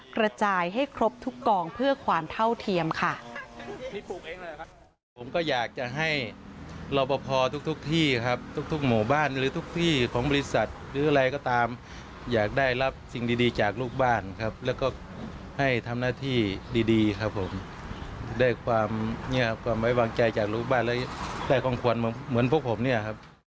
กระจายให้ครบทุกกองเพื่อความเท่าเทียมค่ะ